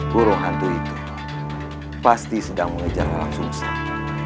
burung hantu itu pasti sedang mengejar orang sungsang